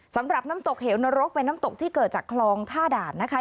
สำหรับน้ำตกเหวนรกเป็นน้ำตกที่เกิดจากคลองท่าด่านนะคะ